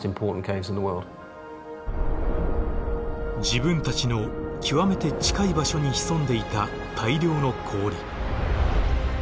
自分たちの極めて近い場所に潜んでいた大量の氷。